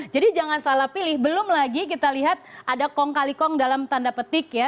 jadi jangan salah pilih belum lagi kita lihat ada kong kali kong dalam tanda petik ya